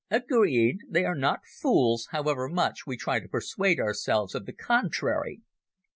"Agreed. They are not fools, however much we try to persuade ourselves of the contrary.